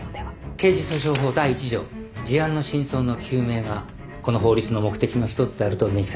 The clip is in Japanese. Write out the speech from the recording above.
刑事訴訟法第１条事案の真相の究明がこの法律の目的の一つであると明記されていますよね。